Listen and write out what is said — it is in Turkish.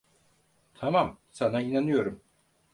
Tamam, sana inanıyorum.